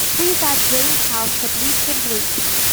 Please add james house to bleeps & bloops